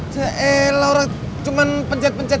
jelah orang cuman pencet pencet